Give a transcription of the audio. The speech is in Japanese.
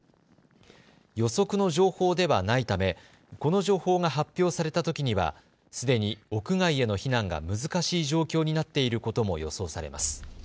予測の情報ではないためこの情報が発表されたときにはすでに屋外への避難が難しい状況になっていることも予想されます。